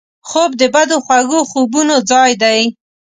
خوب د بدو خوږو خوبونو ځای دی